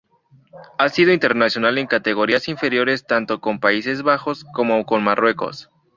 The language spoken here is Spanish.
Ha sido internacional en categorías inferiores tanto con Países Bajos como con Marruecos.